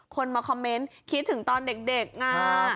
คนมาคอมเมนต์คิดถึงตอนเด็กอ่ะ